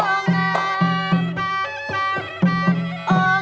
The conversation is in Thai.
กลับไปก่อนที่สุดท้าย